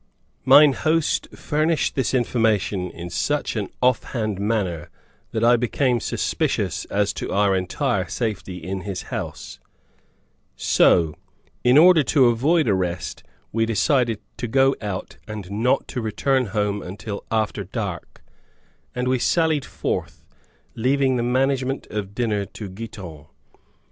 Mine host furnished this information in such an offhand manner that I became suspicious as to our entire safety in his house; so, in order to avoid arrest, we decided to go out, and not to return home until after dark, and we sallied forth, leaving the management of dinner to Giton.